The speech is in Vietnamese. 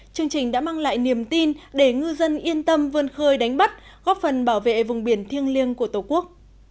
chương trình đã mang lại niềm tin để ngư dân yên tâm vươn khơi đánh bắt góp phần bảo vệ vùng biển thiêng liêng của tổ quốc